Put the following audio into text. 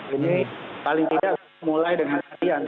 ini paling tidak mulai dengan harian